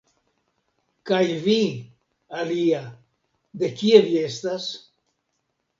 Kaj vi, alia, de kie vi estas?